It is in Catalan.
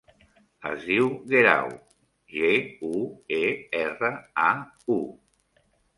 Es diu Guerau: ge, u, e, erra, a, u.